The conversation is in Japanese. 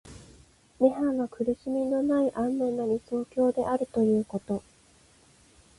涅槃は苦しみのない安穏な理想郷であるということ。